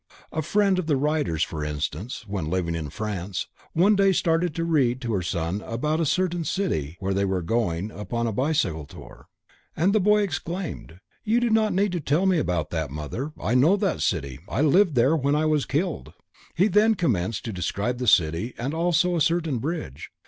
A friend of the writer's for instance, when living in France, one day started to read to her son about a certain city where they were then going upon a bicycle tour, and the boy exclaimed: you do not need to tell me about that mother. I know that city, I lived there and was killed! He then commenced to describe the city and also a certain bridge.